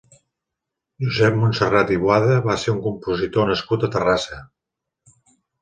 Josep Montserrat i Boada va ser un compositor nascut a Terrassa.